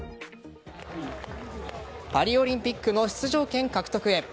パリオリンピックの出場権獲得へ。